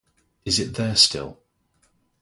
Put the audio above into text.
Is it there still?